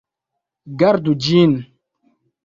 Gardu ĝin.